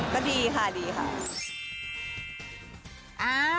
ก็ดีค่ะดีค่ะ